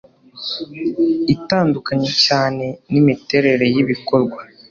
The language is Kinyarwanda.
itandukanye cyane n imiterere y ibikorwa